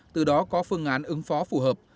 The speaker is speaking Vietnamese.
từ đó có phương án ứng phó phù hợp